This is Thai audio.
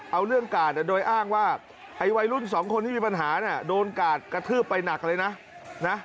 เอาเรื่องกาดโดยอ้างว่าไอ้วัยรุ่นสองคนที่มีปัญหาโดนกาดกระทืบไปหนักเลยนะ